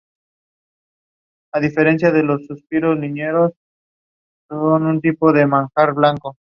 Gracias a ello, Fernando Alonso consiguió la victoria en dicho gran premio.